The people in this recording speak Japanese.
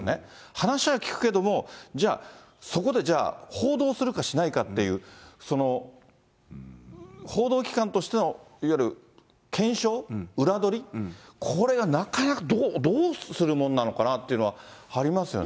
話は聞くけども、じゃあ、そこで、じゃあ、報道するかしないかっていう、その報道機関としてのいわゆる検証、裏取り、これはなかなか、どうするもんなのかなっていうのはありますよね。